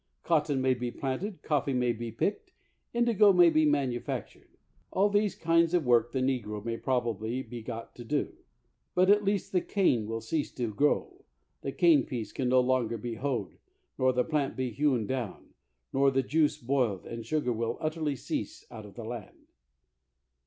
Cotton may be planted, coffee may be picked, indigo may be manufactured — all these kinds of work th negro may probably be got to do; but at least the cane will cease to grow, the cane piece can no longer be hoed, nor the plant be hcAvn down, nor the juice boiled, and sugar will utterly cease out of the land.